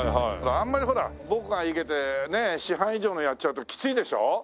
あんまりほら僕が生けてね師範以上のやっちゃうときついでしょ？